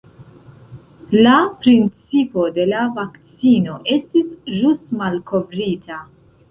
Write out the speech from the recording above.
La principo de la vakcino estis ĵus malkovrita.